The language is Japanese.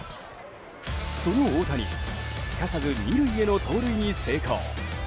その大谷、すかさず２塁への盗塁に成功。